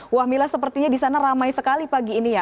wah mila sepertinya disana ramai sekali pagi ini ya